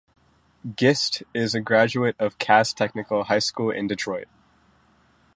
Gist is a graduate of Cass Technical High School in Detroit.